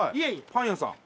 パン屋さん。